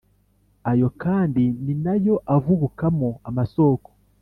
. Ayo kandi ni nayo avubukamo amasoko